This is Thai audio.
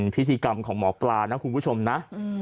พิธีกรรมของหมอปลานะคุณผู้ชมนะ